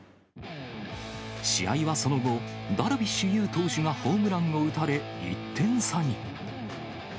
試合はその後、ダルビッシュ有投手がホームランを打たれ、１点差に。